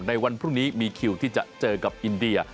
ในวันพรุ่งนี้มีคิวที่จะเจอกับอินเดีย